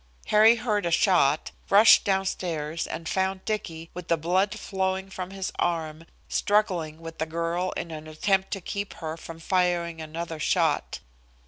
"Harry heard a shot, rushed downstairs, and found Dicky, with the blood flowing from his arm, struggling with the girl in an attempt to keep her from firing another shot.